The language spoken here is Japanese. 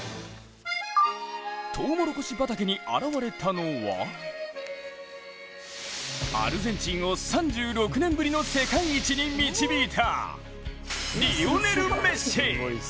とうもろこし畑に現れたのは、アルゼンチンを３６年ぶりの世界一に導いたリオネル・メッシ。